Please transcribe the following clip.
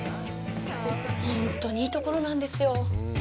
本当にいいところなんですよ。